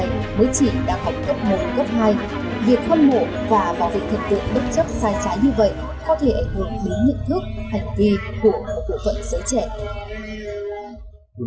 việc hâm mộ và vào vị thần tượng bất chấp sai trái như vậy có thể ảnh hưởng đến nhận thức hành vi của các cụ vận sở trẻ